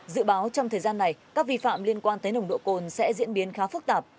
dự báo trong thời gian này các vi phạm liên quan tới nồng độ cồn sẽ diễn biến khá phức tạp